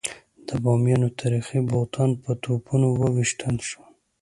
د بامیانو تاریخي بوتان په توپونو وویشتل شول.